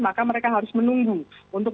maka mereka harus menunggu untuk